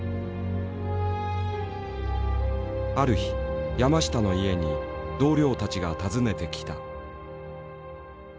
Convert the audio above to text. ある日山下の家に同僚たちが訪ねてきた。